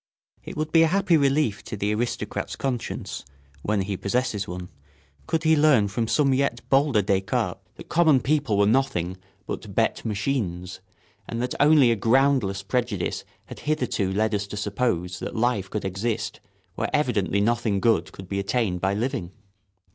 ] It would be a happy relief to the aristocrat's conscience, when he possesses one, could he learn from some yet bolder Descartes that common people were nothing but bêtes machines, and that only a groundless prejudice had hitherto led us to suppose that life could exist where evidently nothing good could be attained by living.